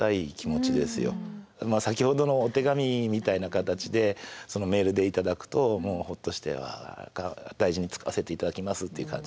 まあ先ほどのお手紙みたいな形でメールで頂くともうホッとして大事に使わせていただきますっていう感じですね。